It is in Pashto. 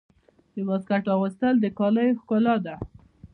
د واسکټ اغوستل د کالیو ښکلا ده.